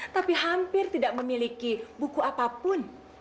tapi hampir tidak memiliki buku apapun